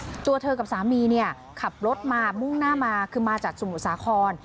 ตัวเธอกับสามีเนี่ยขับรถมามุ่งหน้ามาคือมาจากสมุทรสาคร